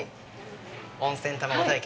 温泉卵体験。